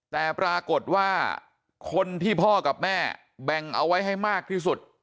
แต่ปรากฏว่าคนที่พ่อกับแม่แบ่งเอาไว้ให้มากที่สุด